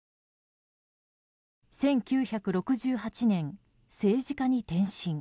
１９６８年、政治家に転身。